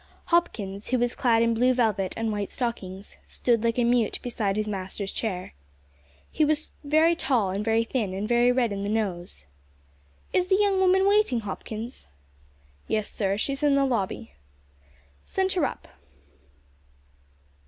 Hopkins, who was clad in blue velvet and white stockings, stood like a mute beside his master's chair. He was very tall and very thin, and very red in the nose. "Is the young woman waiting, Hopkins?" "Yes, sir; she's in the lobby." "Send her up."